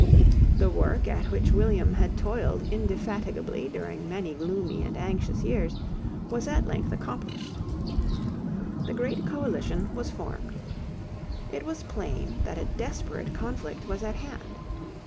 The work at which William had toiled indefatigably during many gloomy and anxious years was at length accomplished. The great coalition was formed. It was plain that a desperate conflict was at hand.